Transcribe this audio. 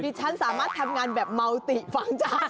พี่ฉันสามารถทำงานแบบมาติฝังจากนั้น